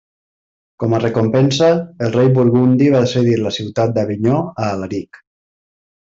Com a recompensa, el rei burgundi va cedir la ciutat d'Avinyó a Alaric.